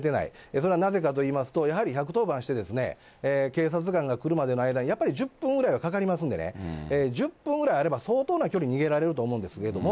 それはなぜかといいますと、やはり１１０番してですね、警察官が来るまでの間にやっぱり１０分ぐらいはかかりますんでね、１０分ぐらいあれば、相当な距離、逃げられると思うんですけど、